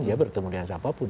dia bertemu dengan siapapun